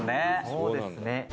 「そうですね」